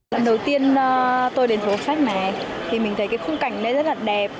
lần đầu tiên tôi đến phố sách này thì mình thấy cái khung cảnh này rất là đẹp